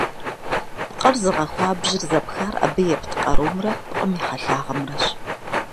Пкъыр зыгъэхуабжьыр зэпхар абы епт къарумрэ пкъым и хьэлъагъымрэщ.